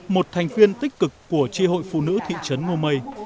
một thành viên tích cực của tri hội phụ nữ thị trấn ngô mây